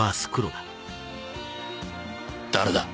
誰だ？